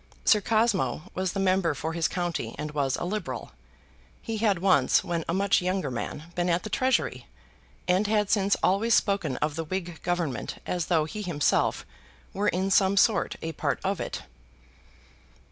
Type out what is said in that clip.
Sir Cosmo was the member for his county, and was a Liberal. He had once, when a much younger man, been at the Treasury, and had since always spoken of the Whig Government as though he himself were in some sort a part of it.